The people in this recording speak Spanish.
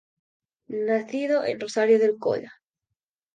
Nacido en Rosario del Colla.